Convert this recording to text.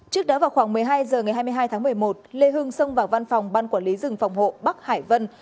trước đó vào khoảng một mươi hai h ngày hai mươi hai tháng một mươi một lê hương xông vào văn phòng ban quản lý rừng phòng hộ bắc hải vân